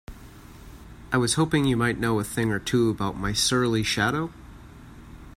I was hoping you might know a thing or two about my surly shadow?